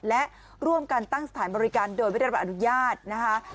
และร่วมการตั้งสถานบริการโดยวิทยาลัยบรรยาชนะฮะ